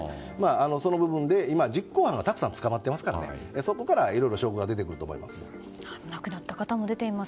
その部分で実行犯がたくさん捕まっていますからそこからいろいろ証拠が出てくると思います。